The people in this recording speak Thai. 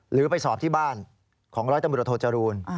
หรือไปสอบที่บ้านของร้อยตำรวจโทจรูล